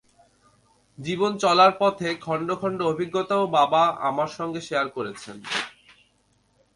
জীবন চলার পথে, খণ্ড খণ্ড অভিজ্ঞতাও বাবা আমার সঙ্গে শেয়ার করেছেন।